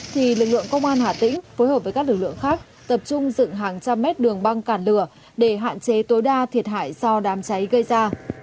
thì lực lượng công an hà tĩnh phối hợp với các lực lượng khác tập trung dựng hàng trăm mét đường băng cản lửa để hạn chế tối đa thiệt hại do đám cháy gây ra